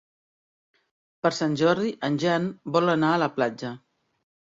Per Sant Jordi en Jan vol anar a la platja.